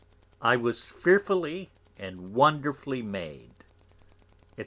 I was fearfully and wonderfully made_, &c.